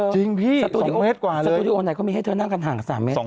ต้องเมตรประมาณเมตรมึงคึ่ง